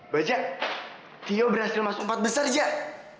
bajak tio berhasil masuk empat besar jack